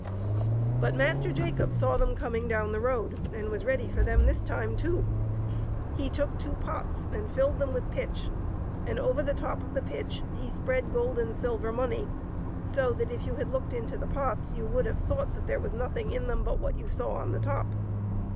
But Master Jacob saw them coming down the road, and was ready for them this time too. He took two pots and filled them with pitch, and over the top of the pitch he spread gold and silver money, so that if you had looked into the pots you would have thought that there was nothing in them but what you saw on the top.